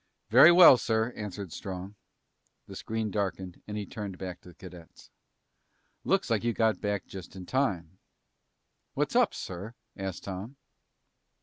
"Very well, sir," answered Strong. The screen darkened and he turned back to the cadets. "Looks like you got back just in time." "What's up, sir?" asked Tom.